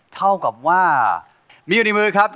เท่ากับว่ามีอยู่ในมือครับ